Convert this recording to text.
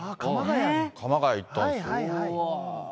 鎌ケ谷行ったんです。